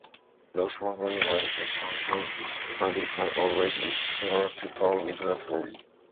"Ross Franklyn" was the pseudonym Hardy had always used prior to "Power Without Glory".